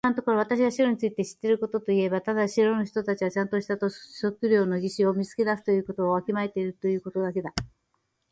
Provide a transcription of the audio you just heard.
今のところ私が城について知っていることといえば、ただ城の人たちはちゃんとした土地測量技師を見つけ出すことをわきまえているということだけだ。